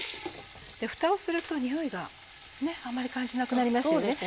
フタをするとにおいがあんまり感じなくなりますよね。